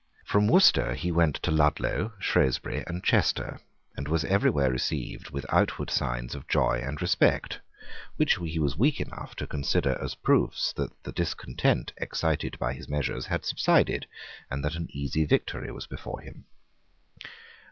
From Worcester he went to Ludlow, Shrewsbury, and Chester, and was everywhere received with outward signs of joy and respect, which he was weak enough to consider as proofs that the discontent excited by his measures had subsided, and that an easy Victory was before him.